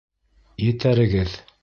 Етәрегеҙ!